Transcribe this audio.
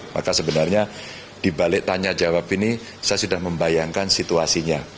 maka sebenarnya dibalik tanya jawab ini saya sudah membayangkan situasinya